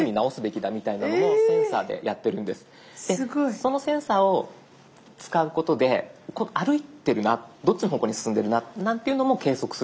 そのセンサーを使うことで歩いてるなどっちの方向に進んでるななんていうのも計測することができます。